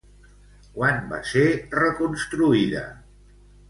Quan va ser reconstruïda?